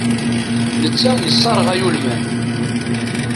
Netta yesraɣay ulman.